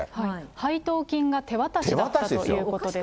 配当金が手渡しだったということです。